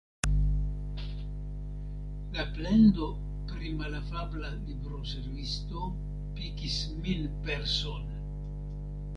La plendo pri malafabla libroservisto pikis min persone.